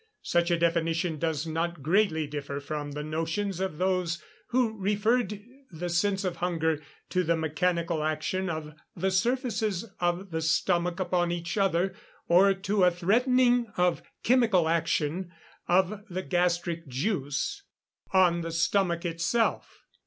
Such a definition does not greatly differ from the notions of those who referred the sense of hunger to the mechanical action of the surfaces of the stomach upon each other, or to a threatening of chemical action of the gastric juice on the stomach itself.